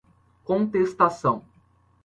contestação